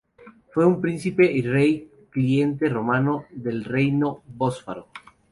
Fue un príncipe y rey cliente romano del Reino del Bósforo.